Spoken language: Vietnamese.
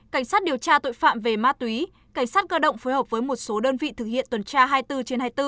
cảnh sát điều tra tội phạm về ma túy cảnh sát cơ động phối hợp với một số đơn vị thực hiện tuần tra hai mươi bốn trên hai mươi bốn